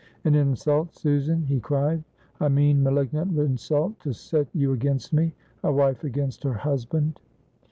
"An insult, Susan," he cried. "A mean, malignant insult to set you against me a wife against her husband."